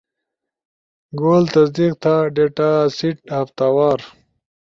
گول تصدیق تھا، ڈیٹا سیٹہفتہ وار